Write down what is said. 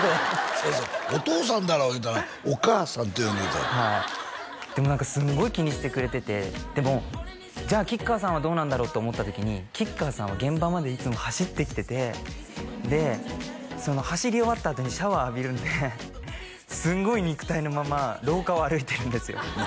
そうそう「お父さんだろ」言うたら「お母さん」って呼んでたってはいでも何かすごい気にしてくれててでもじゃあ吉川さんはどうなんだろう？って思った時に吉川さんは現場までいつも走ってきててでその走り終わったあとにシャワー浴びるんですごい肉体のまま廊下を歩いてるんですよ